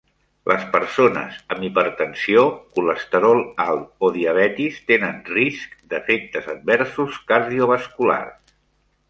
Les persones amb hipertensió, colesterol alt o diabetis tenen risc d'efectes adversos cardiovasculars.